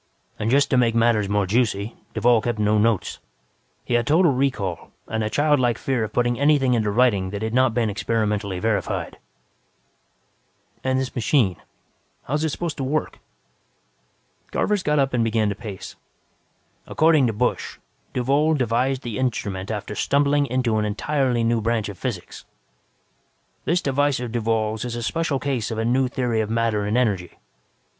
"And, just to make matters more juicy, Duvall kept no notes. He had total recall and a childlike fear of putting anything into writing that had not been experimentally verified." "And this machine, how is it supposed to work?" Garvers got up and began to pace. "According to Busch, Duvall devised the instrument after stumbling into an entirely new branch of physics. "This device of Duvall's is a special case of a new theory of matter and energy.